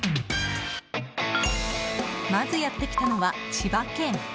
まず、やってきたのは千葉県。